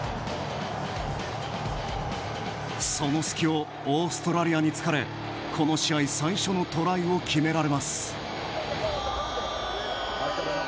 その隙をオーストラリアに突かれこの試合最初のトライを決められます。